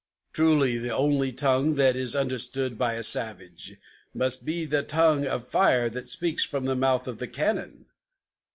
Truly the only tongue that is understood by a savage Must be the tongue of fire that speaks from the mouth of the cannon!"